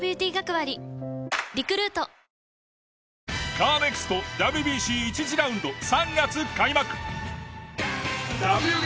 カーネクストＷＢＣ１次ラウンド３月開幕。